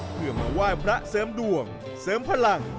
เพื่อมาไหว้พระเสริมดวงเสริมพลัง